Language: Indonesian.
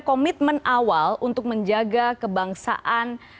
komitmen awal untuk menjaga kebangsaan